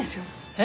え？